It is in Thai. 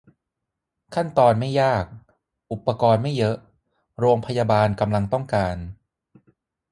"ขั้นตอนไม่ยาก - อุปกรณ์ไม่เยอะ" โรงพยาบาลกำลังต้องการ